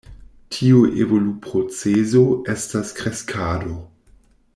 Tiu evoluprocezo estas kreskado.